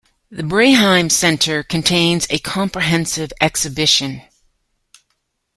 The Breheim Center contains a comprehensive exhibition.